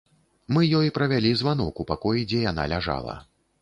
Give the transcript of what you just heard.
Мы ёй правялі званок у пакой, дзе яна ляжала.